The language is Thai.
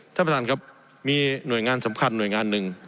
ท่านประธานครับมีหน่วยงานสำคัญหน่วยงานหนึ่ง